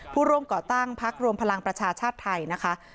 ผู้ร่วมก่อตั้งพักรวมพลังประชาชาติไทยนะคะ